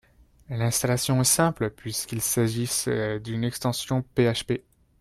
L'installation est simple puisqu'il s'agisse d'une extension PHP